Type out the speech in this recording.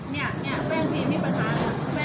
ไม่เอาล่ะแฟนพี่มีปัญหาค่ะ